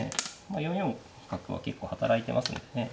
まあ４四角は結構働いてますんでね